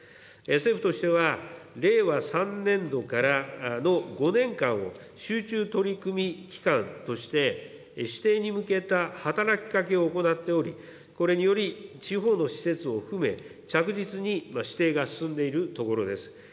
政府としては、令和３年度からの５年間を集中取り組み期間として、指定に向けた働きかけを行っており、これにより、地方の施設を含め、着実に指定が進んでいるところです。